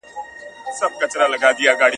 مور یې کړله په یوه ګړي پر بوره `